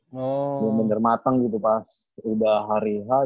bener bener matang gitu pas udah hari hari